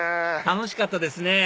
楽しかったですね